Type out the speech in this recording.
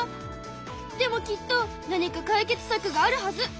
でもきっと何か解決さくがあるはず！